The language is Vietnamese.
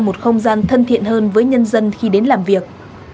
một không gian thân thiện hơn với nhân dân khi đến làm việc